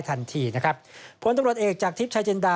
ทันทีนะครับผลตำรวจเอกจากทิพย์ชายจินดา